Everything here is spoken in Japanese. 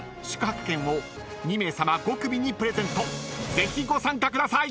［ぜひご参加ください］